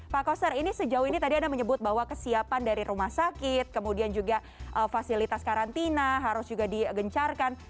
pak koster ini sejauh ini tadi anda menyebut bahwa kesiapan dari rumah sakit kemudian juga fasilitas karantina harus juga digencarkan